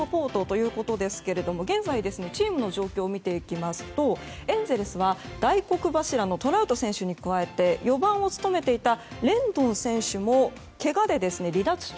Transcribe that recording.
現在、チームの状況を見ていきますとエンゼルスは大黒柱のトラウト選手に加えて４番を務めていたレンドン選手もけがで離脱中。